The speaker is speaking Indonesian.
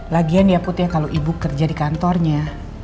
lagian ya put ya kalau ibu kerja di kantornya